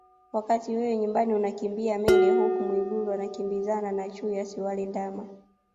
Wakati wewe nyumbani unakimbia mende huko Mwigulu anakimbizana na chui asiwale ndama